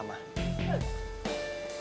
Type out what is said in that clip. nengasih raya ke abah rama